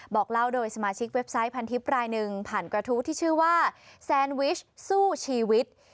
บอกเล่าโดยสมาชิกเว็บไซต์พันทิพย์รายหนึ่งผ่านกระทู้ที่ชื่อว่าแซนวิชสู้ชีวิต